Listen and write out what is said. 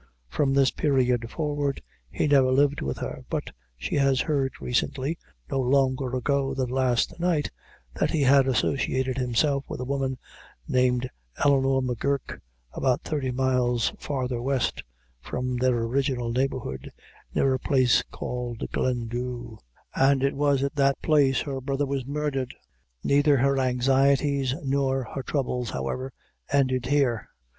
From this period forward he never lived with her, but she has heard recently no longer ago than last night that he had associated himself with a woman named Eleanor M'Guirk, about thirty miles farther west from their original neighborhood, near a place called Glendhu, and it was at that place her brother was murdered. Neither her anxieties nor her troubles, however, ended here.